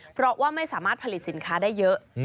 เพราะว่าไม่สามารถผลิตสินค้าได้เยอะ